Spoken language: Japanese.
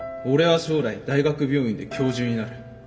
俺は将来大学病院で教授になる。